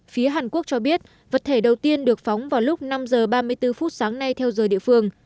phía hàn quốc cho biết vật thể đầu tiên được phóng vào lúc năm h ba mươi bốn phút sáng nay theo giờ địa phương